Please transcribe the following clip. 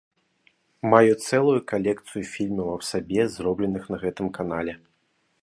Маю цэлую калекцыю фільмаў аб сабе, зробленых на гэтым канале.